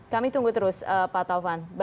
kami tunggu terus pak taufan